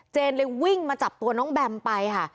เลยวิ่งมาจับตัวน้องแบมไปค่ะ